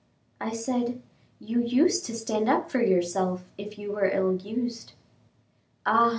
I said, "You used to stand up for yourself if you were ill used." "Ah!"